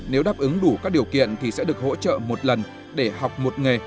nếu đáp ứng đủ các điều kiện thì sẽ được hỗ trợ một lần để học một nghề